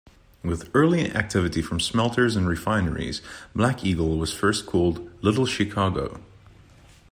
With early activity from smelters and refineries, Black Eagle was first called "Little Chicago".